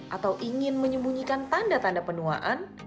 atau ingin menyembunyikan tanda tanda penuaan